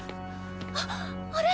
あっあれ！